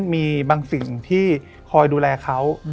มีบางสิ่งที่คอยดูแลเขา